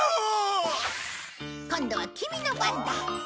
今度はキミの番だ。